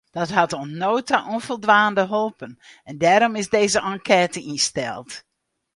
Dat hat oant no ta ûnfoldwaande holpen en dêrom is dizze enkête ynsteld.